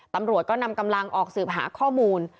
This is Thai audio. ตำรวจก็นำกำลังออกสืบหาข้อมูล